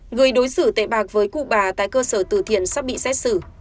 người đối xử tệ bạc với cụ bà tại cơ sở từ thiện sắp bị xét xử